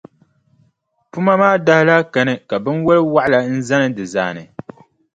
Puma maa daa lahi kani ka binwalʼ waɣila n-zani di zaani.